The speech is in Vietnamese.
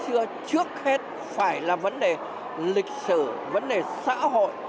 xưa trước hết phải là vấn đề lịch sử vấn đề xã hội